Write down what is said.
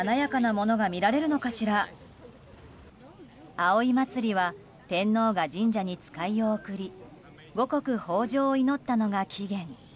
葵祭は天皇が神社に使いを送り五穀豊穣を祈ったのが起源。